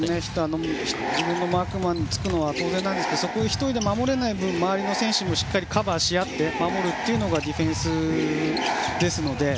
自分のマークマンつくのは当然なんですがそこを１人で守れない分周りの選手もしっかりカバーし合って守るというのがディフェンスですので。